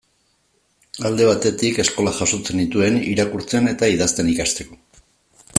Alde batetik, eskolak jasotzen nituen, irakurtzen eta idazten ikasteko.